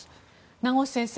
名越先生